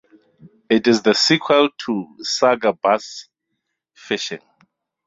It is the sequel to "Sega Bass Fishing".